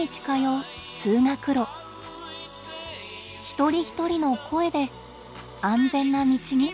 一人一人の声で安全な道に。